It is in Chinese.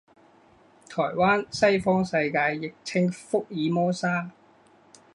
台湾，西方世界亦称福尔摩沙。